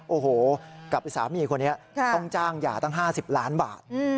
โอ้โหกับสามีคนนี้ต้องจ้างหย่าตั้ง๕๐ล้านบาท